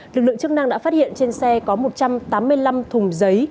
lực lượng chức năng đã phát hiện trên xe có một trăm tám mươi năm thùng giấy